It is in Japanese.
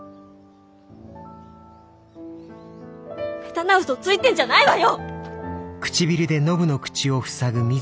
ヘタな嘘ついてんじゃないわよ！